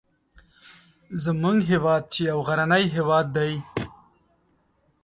زموږ هیواد چې یو غرنی هیواد دی